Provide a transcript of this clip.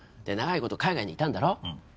で長いこと海外にいたんだろ？